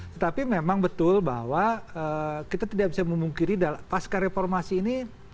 tetapi memang betul bahwa kita tidak bisa memungkiri pasca reformasi ini